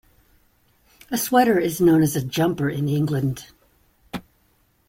A sweater is known as a jumper in England.